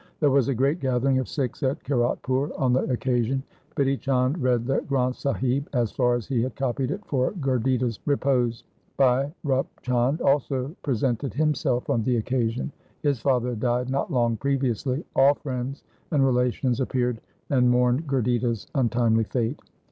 There was a great gathering of Sikhs at Kiratpur on the occasion. Bidhi Chand read the Granth Sahib as far as he had copied it for Gurditta's repose . Bhai Rup Chand also presented himself on the occasion. His father had died not long previously. All friends and relations appeared and mourned Gurditta's un timely fate.